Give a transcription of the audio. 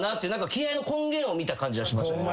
気合の根源を見た感じはしました。